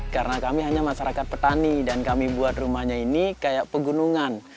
karena kami hanya masyarakat petani dan kami buat rumahnya ini kayak pegunungan